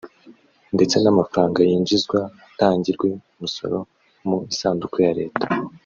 ndetse n’amafaranga yinjizwa atangirwe umusoro mu isanduku ya Leta